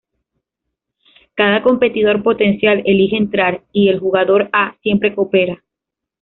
Cada competidor potencial elige entrar, y el jugador A siempre coopera.